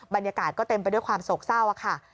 บรรยากาศก็เต็มไปด้วยความโศกเศร้าค่ะ